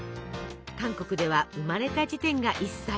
韓国では生まれた時点が１歳。